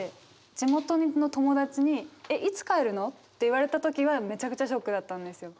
地元の友達に「いつ帰るの？」って言われた時はめちゃくちゃショックだったんですよ。